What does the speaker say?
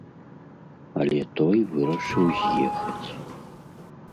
Але той вырашыў з'ехаць.